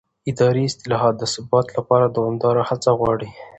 اداري اصلاحات د ثبات لپاره دوامداره هڅه غواړي